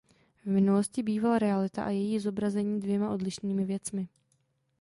V minulosti bývala realita a její zobrazení dvěma odlišnými věcmi.